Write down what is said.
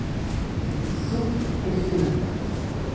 Souple et félin